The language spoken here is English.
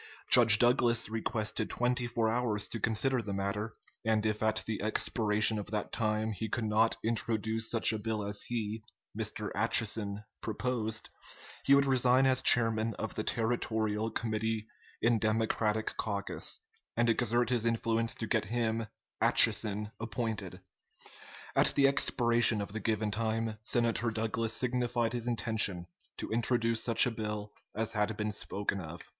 Judge Douglas requested twenty four hours to consider the matter, and if at the expiration of that time he could not introduce such a bill as he (Mr. Atchison) proposed, he would resign as chairman of the Territorial Committee in Democratic caucus, and exert his influence to get him (Atchison) appointed. At the expiration of the given time, Senator Douglas signified his intention to introduce such a bill as had been spoken of."